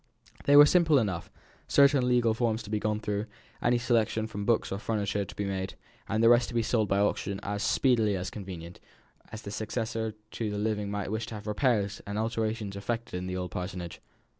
These were simple enough; certain legal forms to be gone through, any selection from books or furniture to be made, and the rest to be sold by auction as speedily as convenient, as the successor to the living might wish to have repairs and alterations effected in the old parsonage.